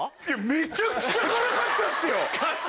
めちゃくちゃ辛かったですよ！